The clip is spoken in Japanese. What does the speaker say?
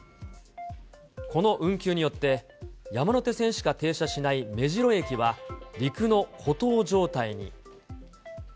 この運休によって、山手線しか停車しない目白駅は、陸の孤島状態に。